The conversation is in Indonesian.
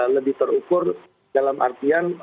lebih terukur dalam artian